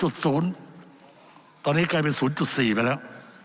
ตอนนี้กลายเป็น๐๔ไปแล้ว